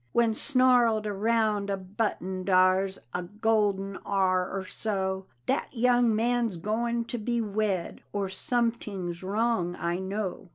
When snarled around a button dar's A golden har or so, Dat young man's going to be wed, Or someting's wrong, I know.